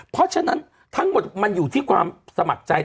เพราะฉะนั้นทั้งหมดมันอยู่ที่ความสมัครใจ